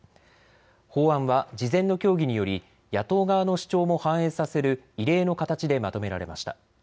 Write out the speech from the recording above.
法案は事前の協議により野党側の主張も反映させる異例の形でまとめられました。